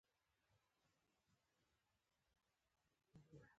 هغوی یوځای د ځلانده غزل له لارې سفر پیل کړ.